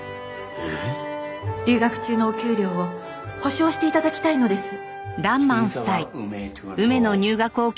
えっ？留学中のお給料を保証して頂きたいのです。